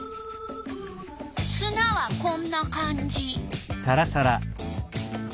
すなはこんな感じ。